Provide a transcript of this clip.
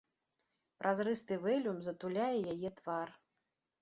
Празрысты вэлюм затуляе яе твар.